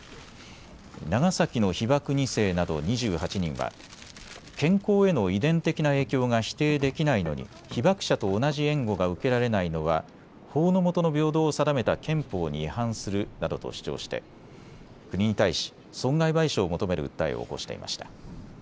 長崎の被爆２世など２８人は健康への遺伝的な影響が否定できないのに被爆者と同じ援護が受けられないのは法の下の平等を定めた憲法に違反するなどと主張して国に対し損害賠償を求める訴えを起こしていました。